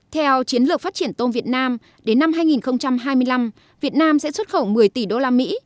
theo chiến lược phát triển tôm việt nam đến năm hai nghìn hai mươi năm việt nam sẽ xuất khẩu một mươi tỷ usd